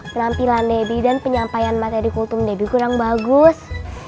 penampilan debbie dan penyampaian materi kultum debbie kurang bagus